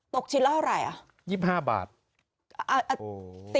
ตกโชคชิตว่ากี่ร้านละอะไร